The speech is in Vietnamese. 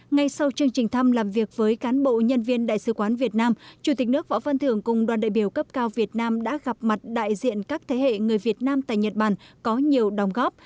ngay sau chương trình thăm làm việc với cán bộ nhân viên đại sứ quán việt nam chủ tịch nước võ văn thưởng cùng đoàn đại biểu cấp cao việt nam đã gặp mặt đại diện các thế hệ người việt nam tại nhật bản có nhiều đồng góp